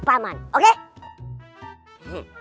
jangan kemana mana diam di mari ya